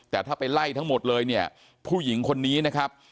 แต่ถ้าไปไล่ทั้งหมดเลยเนี่ยผู้หญิงคนนี้นะครับ